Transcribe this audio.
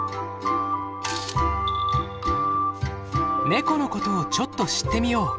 ネコのことをちょっと知ってみよう。